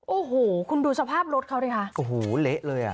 โอ้โหคุณดูสภาพรถเขาดิคะโอ้โหเละเลยอ่ะ